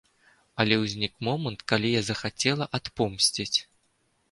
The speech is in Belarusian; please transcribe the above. Але ўзнік момант, калі я захацела адпомсціць.